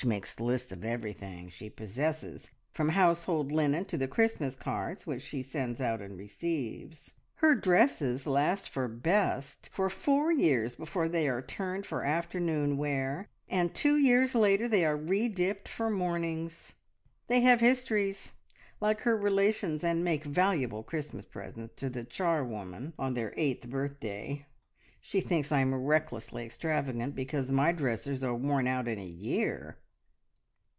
She makes lists of everything she possesses, from household linen to the Christmas cards which she sends out and receives. Her dresses last for best for four years before they are turned for afternoon wear, and two years later they are re dipped for mornings. They have histories, like her relations, and make valuable Christmas presents to the charwoman on their eighth birthday. She thinks I am recklessly extravagant because my dresses are worn out in a year!"